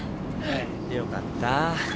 よかった。